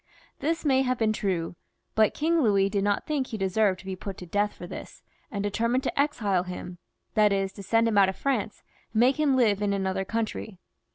This may have been true, but King Louis did not think he deserved to be put to death for this, and settled to exile him, that is, to send him out of France, and make him live in another country.